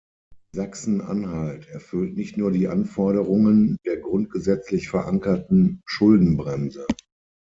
Sachsen-Anhalt erfüllt nicht nur die Anforderungen der grundgesetzlich verankerten Schuldenbremse.